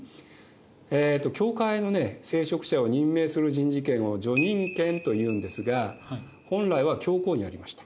教会の聖職者を任命する人事権を叙任権というんですが本来は教皇にありました。